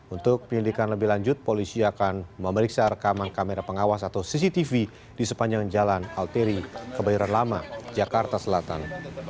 untuk penyelidikan lebih lanjut polisi akan memeriksa rekaman kamera pengawas atau cctv di sepanjang jalan alteri kebayoran lama jakarta selatan